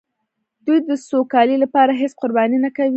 دوی د سوکالۍ لپاره هېڅ قرباني نه کوي.